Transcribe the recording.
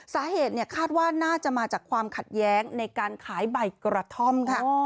สาเหตุคาดว่าน่าจะมาจากความขัดแย้งในการขายใบกระท่อมค่ะ